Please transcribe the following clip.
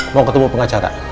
mau ketemu pengacara